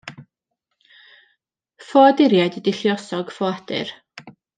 Ffoaduriaid ydy lluosog ffoadur.